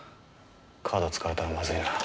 カードを使われたらまずいな。